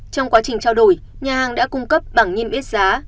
trong quá trình trao đổi nhà hàng đã cung cấp bảng nhiêm biết giá